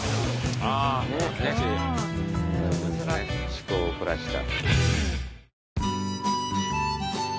趣向を凝らした。